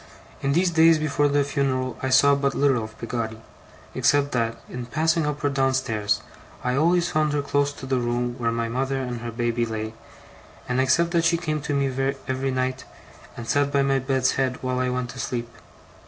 In these days before the funeral, I saw but little of Peggotty, except that, in passing up or down stairs, I always found her close to the room where my mother and her baby lay, and except that she came to me every night, and sat by my bed's head while I went to sleep.